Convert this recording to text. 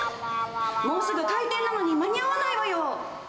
もうすぐ開店なのに、間に合わないわよ！